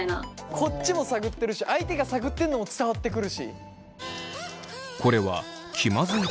こっちも探ってるし相手が探ってるのも伝わってくるし。